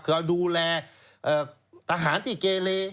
คือดูแลตาหารที่เกลียร์